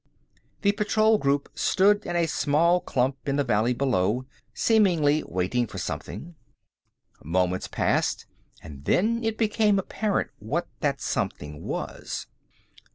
The patrol group stood in a small clump in the valley below, seemingly waiting for something. Moments passed, and then it became apparent what that something was.